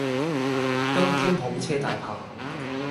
更兼好車大砲